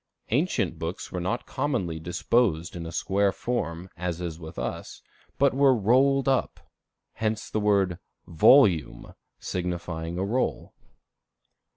Ancient books were not commonly disposed in a square form, as with us, but were rolled up. Hence the word volume, signifying a roll.